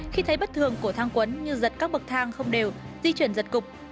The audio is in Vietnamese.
khi thấy bất thường của thang quấn như giật các bậc thang không đều di chuyển giật cục